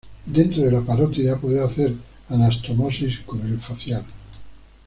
Dentro de la parótida puede hacer anastomosis con el facial.